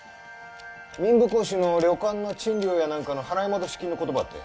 民部公子の旅館の賃料やなんかの払い戻し金のことばってん。